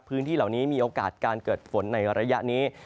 พื้นที่เหล่านี้มีโอกาสการเกิดฝนในระยะนี้